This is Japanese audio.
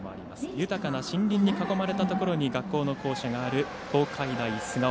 豊かな森林に囲まれたところに学校の校舎がある東海大菅生。